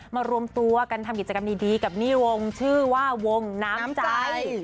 รวมตัวกันทำกิจกรรมดีกับนี่วงชื่อว่าวงน้ำใจ